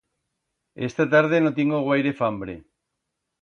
Esta tarde no tiengo guaire fambre.